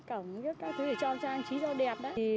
cổng các thứ để cho trang trí cho đẹp đấy